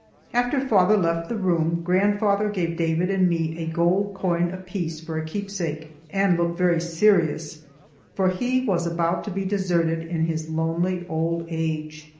After father left the room, grandfather gave David and me a gold coin apiece for a keepsake, and looked very serious, for he was about to be deserted in his lonely old age.